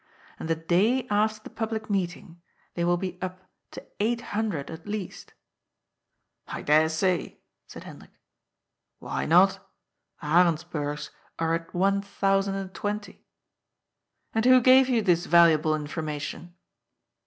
And the day after the public meeting, they will be up to eight hun dred at least." " I dare say !" said Hendrik. "Why not? Arendsburgs are at one thousand and twenty." " And who gave you this valuable information